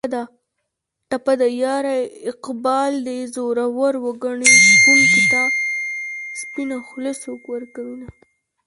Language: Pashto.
ټپه ده: یاره اقبال دې زورور و ګني شپونکي ته سپینه خوله څوک ورکوینه